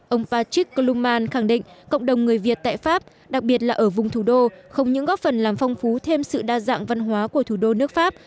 ông patrick koluman khẳng định cộng đồng người việt tại pháp đặc biệt là ở vùng thủ đô không những góp phần làm phong phú thêm sự đa dạng văn hóa của thủ đô nước pháp